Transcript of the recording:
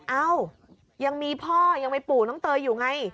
เอ้ายังมีพ่อยังมีปู่น้องเตยอยู่ไง